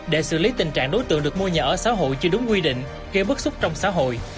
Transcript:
để xử lý tình trạng đối tượng được mua nhà ở xã hội chưa đúng quy định gây bức xúc trong xã hội